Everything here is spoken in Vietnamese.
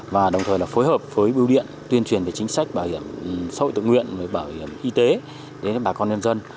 đồng thời chúng tôi đã phối hợp với bưu điện tuyên truyền về chính sách bảo hiểm xã hội tự nguyện bảo hiểm y tế đến bà con nhân dân